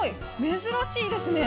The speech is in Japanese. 珍しいですね。